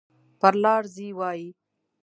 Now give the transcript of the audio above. پر لار ځي وایي.